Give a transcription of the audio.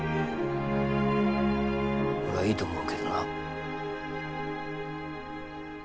俺はいいと思うけどな。